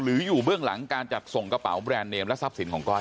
อยู่เบื้องหลังการจัดส่งกระเป๋าแบรนด์เนมและทรัพย์สินของก้อย